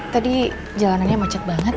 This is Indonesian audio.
tadi jalanannya macet banget